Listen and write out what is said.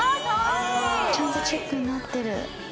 ちゃんとチェックになってる。